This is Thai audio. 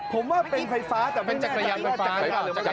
ผมว่าเป็นไฟฟ้าแต่ไม่แน่ใจนะ